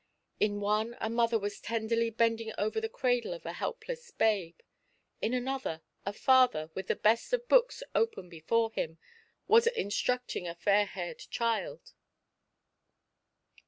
In one a mother was tenderly bending over the cradle of a helpless babe ; in another, a father, with the best of books open before him, was instructing a fair haired child.